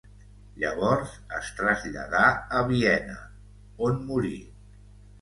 Llavors es traslladà a Viena, on morí.